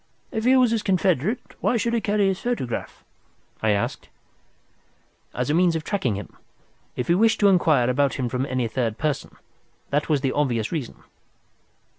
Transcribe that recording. "If he was his confederate, why should he carry his photograph?" I asked. "As a means of tracing him, if he wished to inquire about him from any third person. That was the obvious reason.